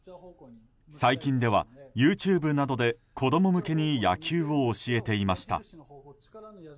最近ではＹｏｕＴｕｂｅなどで子供向けに野球を教えていました。